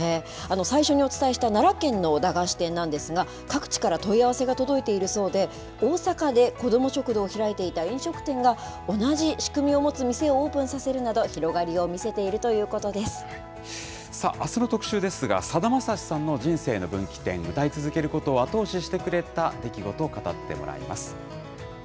最初にお伝えした奈良県の駄菓子店なんですが、各地から問い合わせが届いているそうで、大阪で子ども食堂を開いていた飲食店が、同じ仕組みを持つ店をオープンさせるなど、広がりを見せているとさあ、あすの特集ですが、さだまさしさんの人生の分岐点、歌い続けることを後押ししてくれた出来事を語ってもらいます。